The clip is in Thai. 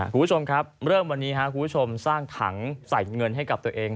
คุณผู้ชมครับเริ่มวันนี้ครับคุณผู้ชมสร้างถังใส่เงินให้กับตัวเอง